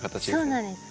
そうなんです。